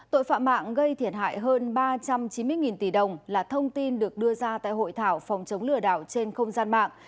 tội phạm mạng gây thiệt hại hơn ba trăm chín mươi tỷ đồng là thông tin được đưa ra tại hội thảo phòng chống lừa đảo trên không gian mạng